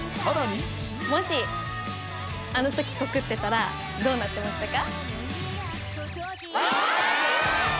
もし、あのとき告ってたら、どうなってましたか？